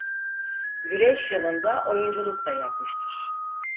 Güreş yanında oyunculuk da yapmıştır.